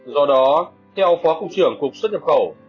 do đó theo phó cục trưởng cục xuất nhập khẩu